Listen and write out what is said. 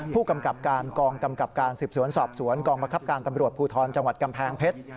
ผู้กำกับการกองกำกับการสืบสวนสอบสวนกองบังคับการตำรวจภูทรจังหวัดกำแพงเพชร